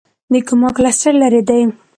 د کوما کلسټر لیرې دی.